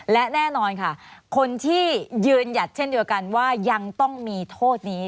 และแน่นอนค่ะคนที่ยืนหยัดเช่นเดียวกันว่ายังต้องมีโทษนี้